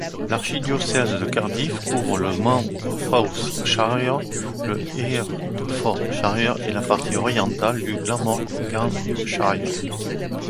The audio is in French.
L'archidiocèse de Cardiff couvre le Monmouthshire, le Herefordshire et la partie orientale du Glamorganshire.